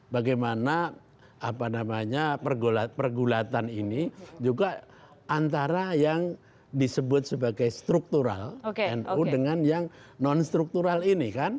bagaimana pergulatan ini juga antara yang disebut sebagai struktural nu dengan yang non struktural ini kan